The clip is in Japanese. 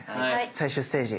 最終ステージ。